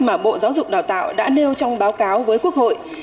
mà bộ giáo dục đào tạo đã nêu trong báo cáo với quốc hội